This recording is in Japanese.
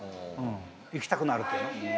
行きたくなるっていうの？